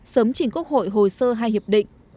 sớm chỉnh quốc hội hồi sơ hai hiệp định